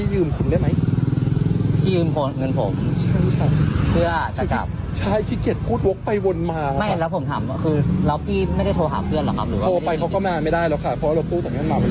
รถตู้จากไหนคะครับ